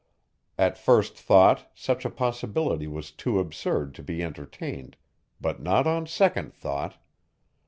At first thought, such a possibility was too absurd to be entertained, but not on second thought.